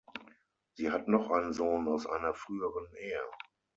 Sie hat noch einen Sohn aus einer früheren Ehe.